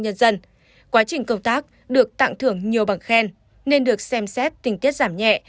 nhân dân quá trình công tác được tặng thưởng nhiều bằng khen nên được xem xét tình tiết giảm nhẹ